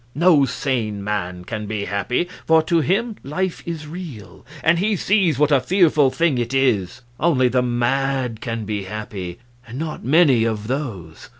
No sane man can be happy, for to him life is real, and he sees what a fearful thing it is. Only the mad can be happy, and not many of those.